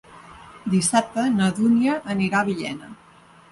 Dissabte na Dúnia anirà a Villena.